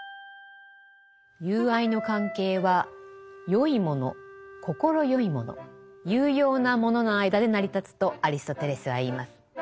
友愛の関係は善いもの快いもの有用なものの間で成り立つとアリストテレスは言います。